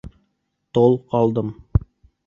Тол ҡалдым!